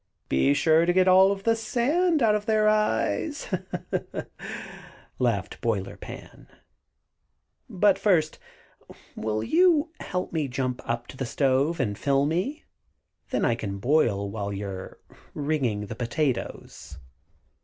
"Be sure to get all the sand out of their eyes," laughed Boiler Pan. "But first, will you help me jump up on the stove, and fill me? then I can boil while you're 'ringing' the potatoes."